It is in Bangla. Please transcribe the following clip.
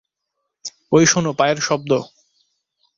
–ওই শোনো পায়ের শব্দ।